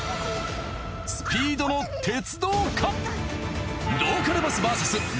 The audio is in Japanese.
スピードの鉄道か？